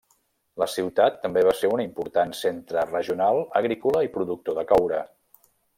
La ciutat també va ser un important centre regional agrícola i productor de coure.